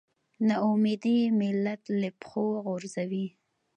نا اميدي ملت له پښو غورځوي.